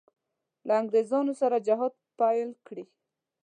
له انګرېزانو سره جهاد پیل کړي.